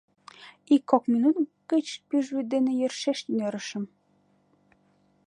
Ик-кок минут гыч пӱжвӱд дене йӧршеш нӧрышым.